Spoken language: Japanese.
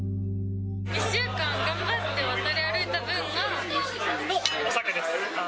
１週間、頑張って渡り歩いたこのお酒です！